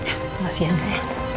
ya makasih ya mbak ya